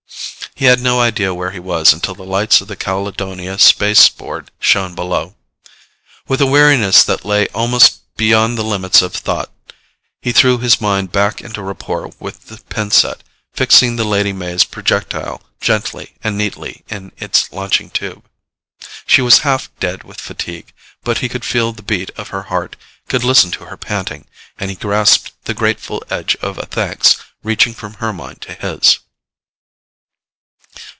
He had no idea where he was until the lights of the Caledonia space board shone below. With a weariness that lay almost beyond the limits of thought, he threw his mind back into rapport with the pin set, fixing the Lady May's projectile gently and neatly in its launching tube. She was half dead with fatigue, but he could feel the beat of her heart, could listen to her panting, and he grasped the grateful edge of a thanks reaching from her mind to his.